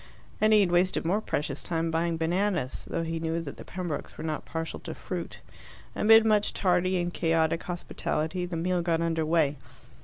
And he had wasted more precious time buying bananas, though he knew that the Pembrokes were not partial to fruit. Amid much tardy and chaotic hospitality the meal got under way.